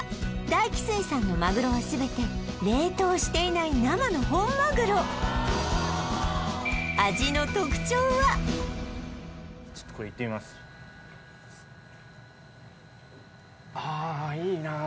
大起水産のまぐろは全て冷凍していない生の本まぐろちょっとこれいってみますああいいなあ